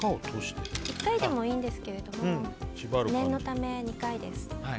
１回でもいいんですけども念のため、２回です。